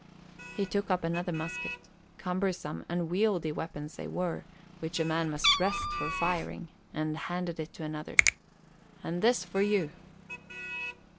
He took up another musket cumbersome, unwieldy weapons they were, which a man must rest for firing and handed it to another. "And this for you."